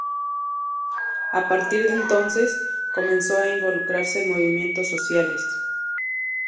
A partir de entonces, comenzó a involucrarse en movimientos sociales.